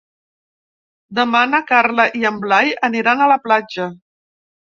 Demà na Carla i en Blai aniran a la platja.